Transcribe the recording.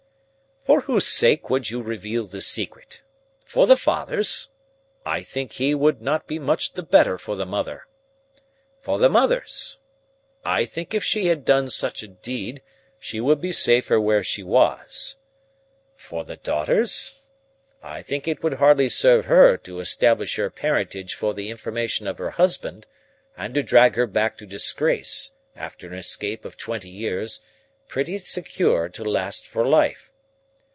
"For whose sake would you reveal the secret? For the father's? I think he would not be much the better for the mother. For the mother's? I think if she had done such a deed she would be safer where she was. For the daughter's? I think it would hardly serve her to establish her parentage for the information of her husband, and to drag her back to disgrace, after an escape of twenty years, pretty secure to last for life.